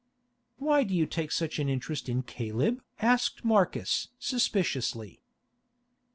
"Why do you take such an interest in Caleb?" asked Marcus suspiciously.